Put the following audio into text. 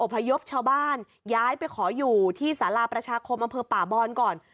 พยพชาวบ้านย้ายไปขออยู่ที่สาราประชาคมอำเภอป่าบอนก่อน